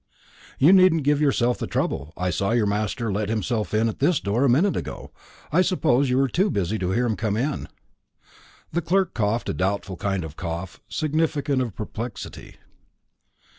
"You needn't give yourself the trouble. I saw your master let himself in at this door a minute ago. I suppose you were too busy to hear him come in." The clerk coughed a doubtful kind of cough, significant of perplexity.